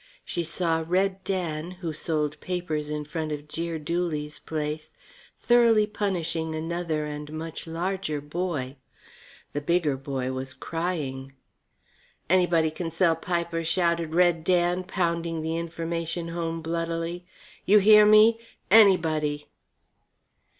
She saw Red Dan, who sold papers in front of Jeer Dooley's place, thoroughly punishing another and much larger boy. The bigger boy was crying. "Anybody c'n sell pipers," shouted Red Dan, pounding the information home bloodily. "You hear me? anybody!"